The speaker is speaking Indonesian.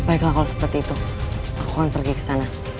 baiklah kalau seperti itu aku akan pergi ke sana